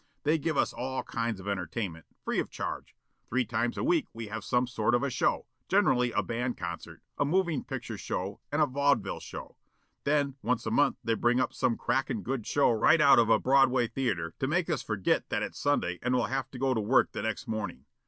They give us all kinds of entertainment, free of charge. Three times a week we have some sort of a show, generally a band concert, a movin' picture show and a vaudeville show. Then, once a month they bring up some crackin' good show right out of a Broadway theater to make us forget that it's Sunday and we'll have to go to work the next morning.